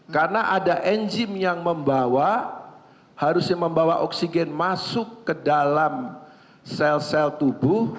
karena ada enzim yang membawa harusnya membawa oksigen masuk ke dalam sel sel tubuh